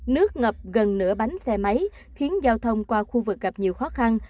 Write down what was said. nước ngập gần nửa bánh xe máy khiến giao thông qua khu vực gặp nhiều khó khăn